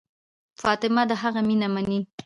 فاطمه د هغه مینه مني.